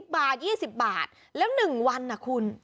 ๑๐บาท๒๐บาทแล้วหนึ่งวันนะคุณ